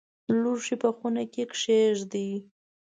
لوښي په خونه کې کښېږدئ